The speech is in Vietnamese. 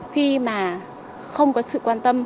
khi mà không có sự quan tâm